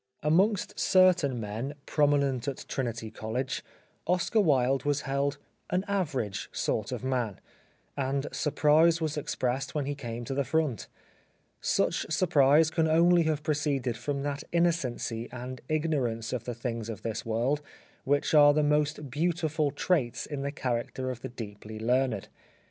Amongst certain men, prominent at Trinity ii6 The Life of Oscar Wilde College, Oscar Wilde was held an average sort of man," and surprise was expressed when he came to the front. Such surprise can only have proceeded from that innocency and ignor ance of the things of this world which are the most beautiful traits in the character of the deeply learned.